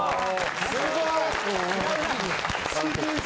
・すごい！